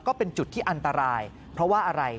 ก็เป็นจุดที่อันตรายเพราะว่าอะไร